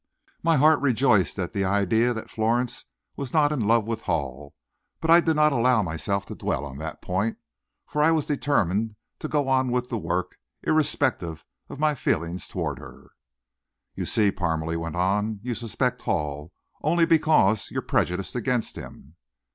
My heart rejoiced at the idea that Florence was not in love with Hall, but I did not allow myself to dwell on that point, for I was determined to go on with the work, irrespective of my feelings toward her. "You see," Parmalee went on, "you suspect Hall, only because you're prejudiced against him."